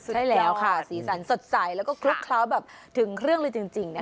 ใช่แล้วค่ะสีสันสดใสแล้วก็คลุกเคล้าแบบถึงเครื่องเลยจริงนะคะ